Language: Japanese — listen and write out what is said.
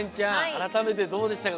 あらためてどうでしたか？